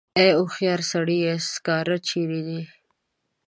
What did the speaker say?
ای هوښیار سړیه سکاره چېرې دي.